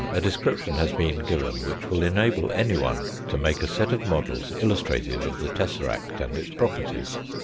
a description has been given which will enable any one to make a set of models illustrative of the tesseract and its properties.